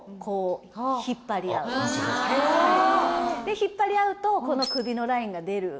引っ張り合うとこの首のラインが出る。